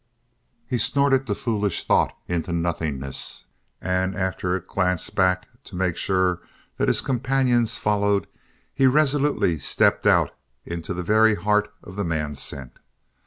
He snorted the foolish thought into nothingness and after a glance back to make sure that his companions followed, he resolutely stepped out into the very heart of the man scent.